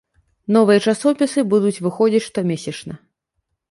Новыя часопісы будуць выходзіць штомесячна.